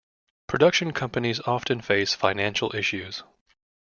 Production companies often face financial issues.